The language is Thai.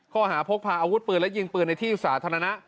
ข้อหาพกพาอาวุธปืนและยิงปืนในที่สาธารณะ